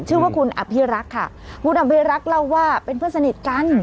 ชื่อว่าคุณอภิรักษ์ค่ะคุณอภิรักษ์เล่าว่าเป็นเพื่อนสนิทกัน